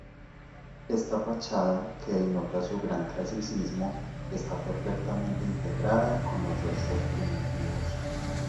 Esta fachada, que denota su gran clasicismo, está perfectamente integrada con los restos primitivos.